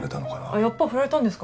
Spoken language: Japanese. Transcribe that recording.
やっぱり振られたんですか？